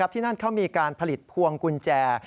ที่นั่นเขามีการผลิตพวงกุญแจ